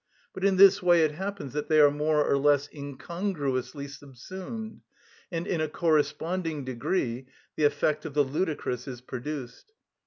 But in this way it happens that they are more or less incongruously subsumed, and in a corresponding degree the effect of the ludicrous is produced.